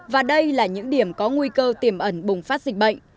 và đây là những điểm có nguy cơ tiềm ẩn bùng phát dịch bệnh